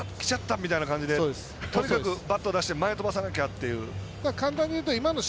みたいな感じでとにかくバットを出して前飛ばさなきゃという。